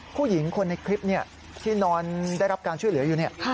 ผู้หญิงคนในคลิปที่นอนได้รับการช่วยเหลืออยู่เนี่ย